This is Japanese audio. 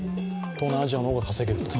東南アジアの方が稼げると。